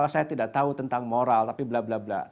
saya tidak tahu tentang moral tapi blablabla